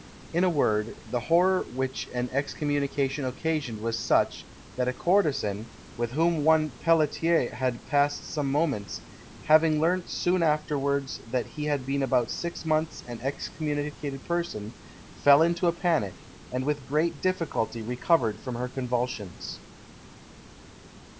In a word, the horror which an excommunication occasioned was such, that a courtesan, with whom one Peletier had passed some moments, having learnt soon afterwards that he had been about six months an excommunicated person, fell into a panic, and with great difficulty recovered from her convulsions.